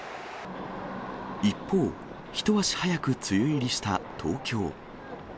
一方、一足早く梅雨入りした東京。